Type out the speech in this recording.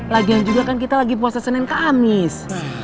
lagian juga kan kita lagi puasa senin kamis